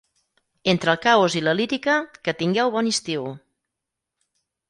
Entre el caos i la lírica, que tingueu bon estiu!